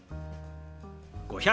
「５００」。